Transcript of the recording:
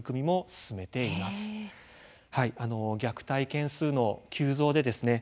虐待件数の急増でですね